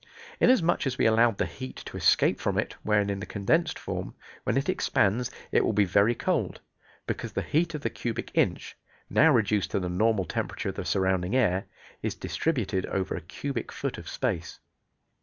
Inasmuch as we allowed the heat to escape from it when in the condensed form, when it expands it will be very cold, because the heat of the cubic inch, now reduced to the normal temperature of the surrounding air, is distributed over a cubic foot of space.